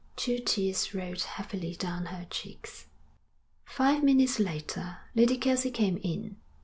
Two tears rolled heavily down her cheeks. Five minutes later Lady Kelsey came in.